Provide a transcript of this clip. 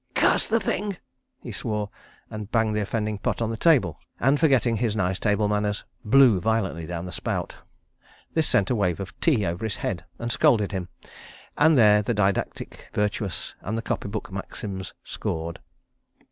"Curse the thing!" he swore, and banged the offending pot on the table, and, forgetting his nice table manners, blew violently down the spout. This sent a wave of tea over his head and scalded him, and there the didactic virtuous, and the copy book maxims, scored.